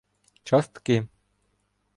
Частки